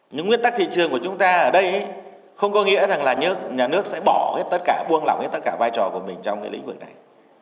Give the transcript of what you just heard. những nguyên tắc thị trường của chúng ta ở đây không có nghĩa rằng là nhà nước sẽ bỏ hết tất cả buông lỏng hết tất cả vai trò của mình trong cái lĩnh vực này